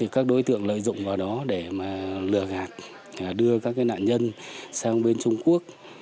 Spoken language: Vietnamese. các đối tượng lợi dụng vào đó để lừa gạt đưa các nạn nhân sang bên trung quốc